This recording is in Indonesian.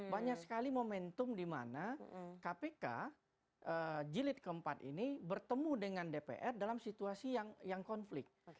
banyak sekali momentum di mana kpk jilid keempat ini bertemu dengan dpr dalam situasi yang konflik